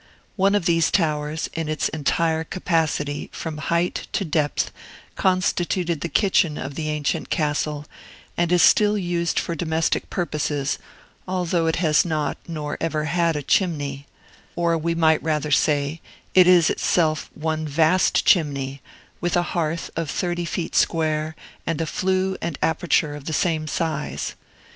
One of these towers, in its entire capacity, from height to depth, constituted the kitchen of the ancient castle, and is still used for domestic purposes, although it has not, nor ever had, a chimney; or we might rather say, it is itself one vast chimney, with a hearth of thirty feet square, and a flue and aperture of the same size.